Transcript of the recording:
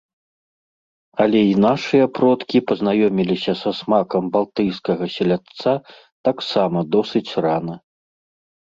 Але і нашыя продкі пазнаёміліся са смакам балтыйскага селядца таксама досыць рана.